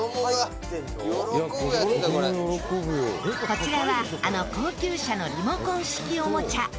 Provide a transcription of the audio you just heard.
こちらはあの高級車のリモコン式おもちゃ。